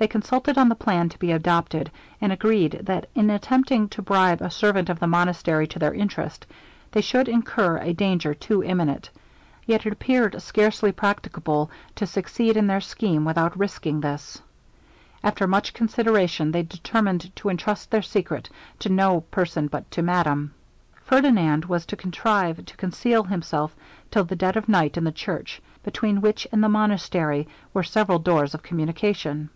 They consulted on the plan to be adopted, and agreed, that in attempting to bribe a servant of the monastery to their interest, they should incur a danger too imminent, yet it appeared scarcely practicable to succeed in their scheme without risquing this. After much consideration, they determined to entrust their secret to no person but to madame. Ferdinand was to contrive to conceal himself till the dead of night in the church, between which and the monastery were several doors of communication.